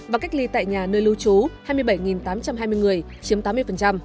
và cách ly tại nhà nơi lưu trú hai mươi bảy tám trăm hai mươi người chiếm tám mươi